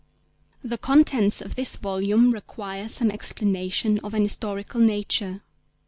THE contents of this volume require some explanation of an historical nature.